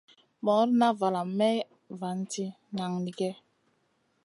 Morna valam Mey vanti nanigue.